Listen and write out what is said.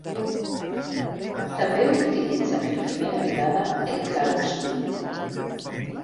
També utilitza per primera vegada el clarobscur.